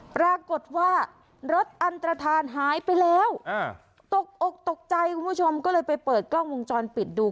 ปรากฏว่ารถอันตรฐานหายไปแล้วตกอกตกใจคุณผู้ชมก็เลยไปเปิดกล้องวงจรปิดดู